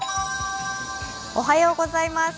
おはようございます。